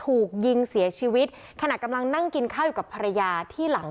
ถูกยิงเสียชีวิตขณะกำลังนั่งกินข้าวอยู่กับภรรยาที่หลัง